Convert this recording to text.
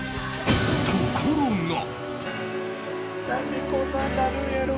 ところが。